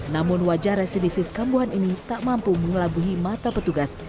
namun wajah residivis kambuhan ini tak mampu mengelabuhi mata petugas